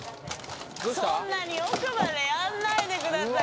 そんなに奥までやんないでください